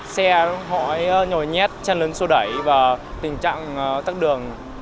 xe họ nhồi nhét chân lớn sô đẩy và tình trạng tắt đường